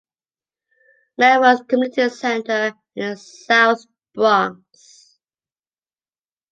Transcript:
Melrose Community Center in the South Bronx.